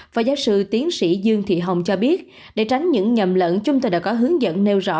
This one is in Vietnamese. phó giáo sư tiến sĩ dương thị hồng cho biết để tránh những nhầm lẫn chúng tôi đã có hướng dẫn nêu rõ